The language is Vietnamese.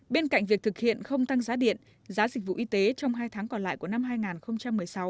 bên cạnh việc thực hiện không tăng giá điện giá dịch vụ y tế trong hai tháng còn lại của năm hai nghìn một mươi sáu